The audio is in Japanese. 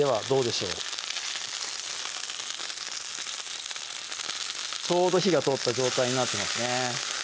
ちょうど火が通った状態になってますね